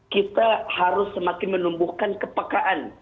kita harus semakin menumbuhkan kepekaan